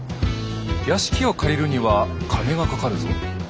屋敷を借りるには金がかかるぞ。